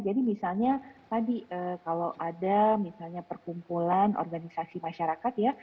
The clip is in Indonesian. jadi misalnya tadi kalau ada misalnya perkumpulan organisasi masyarakat ya